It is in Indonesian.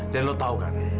dan lu tau kan